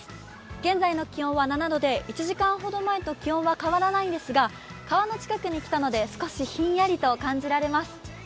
現在の気温は７度で１時間ほど前と気温は変わらないんですが川の近くに来たので少しひんやりと感じられます。